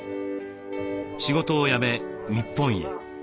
仕事を辞め日本へ。